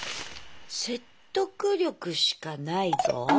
説得力しかないぞ？